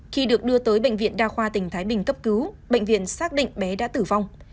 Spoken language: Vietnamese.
khi được đưa tới bệnh viện đa khoa tỉnh thái bình cấp cứu bệnh viện xác định bé đã tử vong